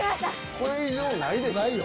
これ以上ないでしょ。